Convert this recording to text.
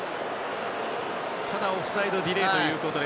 ただ、オフサイドディレイということで。